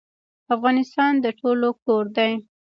افغانستان د ټولو کور دی